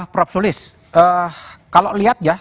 prof sulis kalau lihat ya